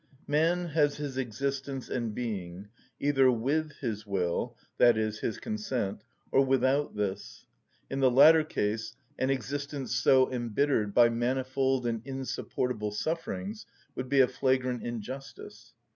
Man has his existence and being either with his will, i.e., his consent, or without this; in the latter case an existence so embittered by manifold and insupportable sufferings would be a flagrant injustice.